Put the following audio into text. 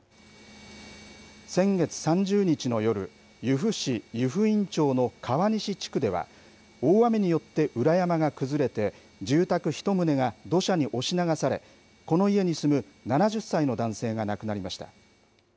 先月３０日の夜由布市湯布院町の川西地区では大雨によって裏山が崩れて住宅１棟が土砂に押し流されこの家に住む７０歳の男性が亡くなりました。